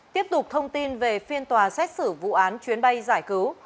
tiếp tục thông tin về phiên tòa xét xử vụ án chuyến bay giải cứu